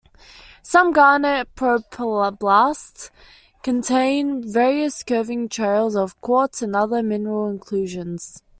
Some garnet porphyroblasts contain various curving trails of quartz and other mineral inclusions.